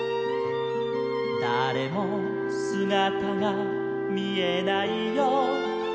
「だれもすがたがみえないよ」